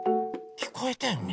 きこえたよね？